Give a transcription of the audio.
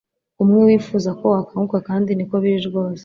umwe wifuza ko wakanguka kandi niko biri rwose